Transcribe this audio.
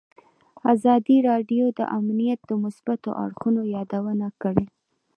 ازادي راډیو د امنیت د مثبتو اړخونو یادونه کړې.